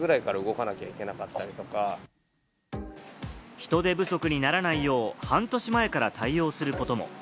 人手不足にならないよう、半年前から対応することも。